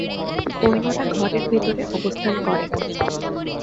অন্যরা ঘরের ভেতরে অবস্থান করে।